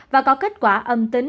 và có kết quả âm tính